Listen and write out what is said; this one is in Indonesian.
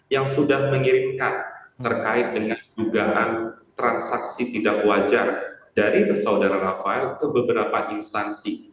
yang sudah mengirimkan terkait dengan dugaan transaksi tidak wajar dari saudara rafael ke beberapa instansi